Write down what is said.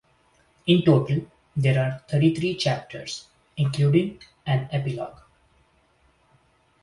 In total, there are thirty-three chapters, including an epilogue.